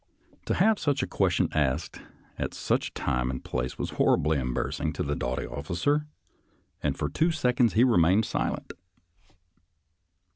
" To have such a question asked at such a time and place was horribly embarrassing to the doughty officer, and for two seconds he remained silent.